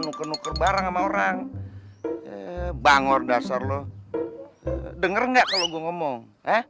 nuker barang sama orang bangor dasar lo denger nggak kalau gue ngomong